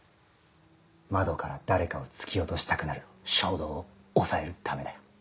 窓から誰かを突き落としたくなる衝動を抑えるためだよ。